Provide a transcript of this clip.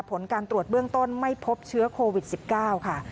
ผลการตรวจเบื้องต้นไม่พบเชื้อโควิด๑๙ค่ะ